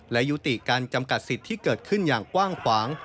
และยุติการจำกัดสิทธิ์ที่เกิดขึ้นอย่างกว้างขวาง